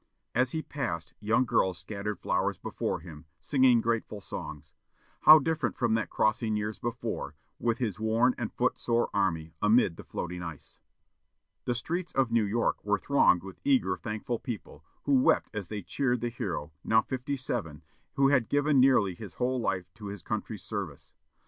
As he passed, young girls scattered flowers before him, singing grateful songs. How different from that crossing years before, with his worn and foot sore army, amid the floating ice! The streets of New York were thronged with eager, thankful people, who wept as they cheered the hero, now fifty seven, who had given nearly his whole life to his country's service.